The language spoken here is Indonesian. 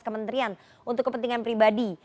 kementerian untuk kepentingan pribadi